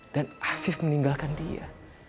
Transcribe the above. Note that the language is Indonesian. dan afif meninggalkan dia